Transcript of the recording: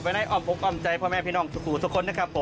ไว้ในออมภกอำใจพ่อแม่พี่น้องสู่คนครับ